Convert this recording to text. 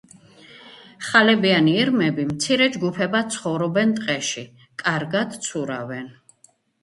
ხალებიანი ირმები მცირე ჯგუფებად ცხოვრობენ ტყეში, კარგად ცურავენ.